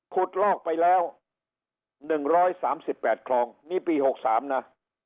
ลอกไปแล้ว๑๓๘คลองนี่ปี๖๓นะ